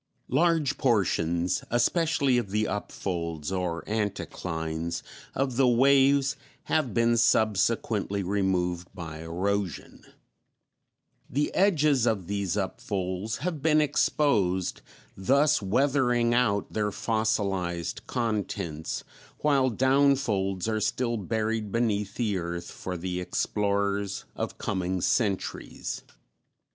Large portions, especially of the upfolds, or "anticlines," of the waves, have been subsequently removed by erosion; the edges of these upfolds have been exposed, thus weathering out their fossilized contents, while downfolds are still buried beneath the earth for the explorers of coming centuries.